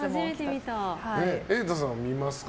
瑛太さんは見ますか？